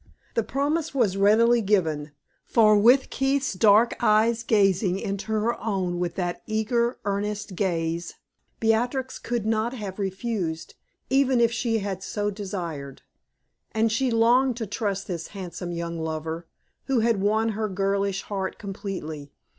The promise was readily given, for with Keith's dark eyes gazing into her own with that eager, earnest gaze, Beatrix could not have refused, even if she had so desired. And she longed to trust this handsome young lover, who had won her girlish heart completely.